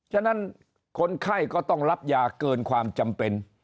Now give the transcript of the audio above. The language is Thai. ฉะนั้นคนไข้ก็ต้องรับยาเกินความจำเป็น